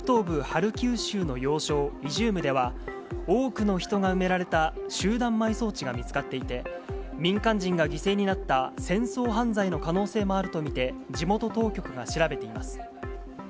ハルキウ州の要衝、イジュームでは、多くの人が埋められた集団埋葬地が見つかっていて、民間人が犠牲になった戦争犯罪の可能性もあると見て、地元当局が調べています。